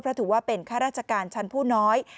เพราะถือว่าเป็นข้าราชการชั้นผู้น้อย